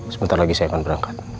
sebentar lagi saya akan berangkat